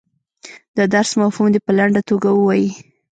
د درس مفهوم دې په لنډه توګه ووایي.